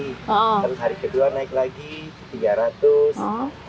terus hari kedua naik lagi tiga ratus